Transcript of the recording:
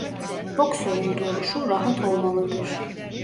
Boksörün duruşu rahat olmalıdır.